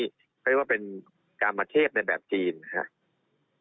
เขาเรียกว่าเป็นกรรมเทพในแบบจีนนะครับ